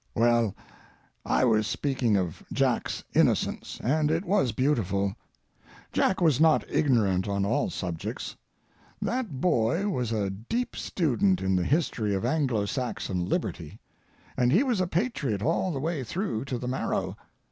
Well, I was speaking of Jack's innocence, and it was beautiful. Jack was not ignorant on all subjects. That boy was a deep student in the history of Anglo Saxon liberty, and he was a patriot all the way through to the marrow.